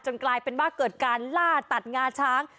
กลายเป็นว่าเกิดการล่าตัดงาช้าง